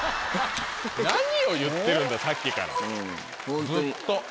何を言ってるんださっきからずっと。